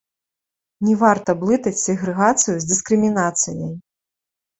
Не варта блытаць сегрэгацыю з дыскрымінацыяй.